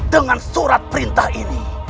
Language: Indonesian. dengan surat perintah ini